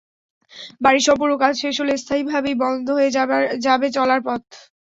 বাড়ির সম্পূর্ণ কাজ শেষ হলে স্থায়ীভাবেই বন্ধ হয়ে যাবে চলার পথ।